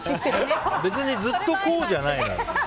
別にずっとこうじゃない。